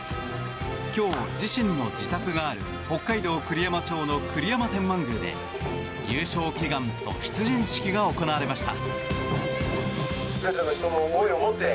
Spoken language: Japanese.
今日、自身の自宅がある北海道栗山町の栗山天満宮で優勝祈願と出陣式が行われました。